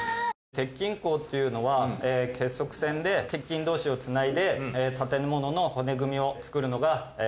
鉄筋工というのは結束線で鉄筋同士を繋いで建物の骨組みを作るのが主な仕事です。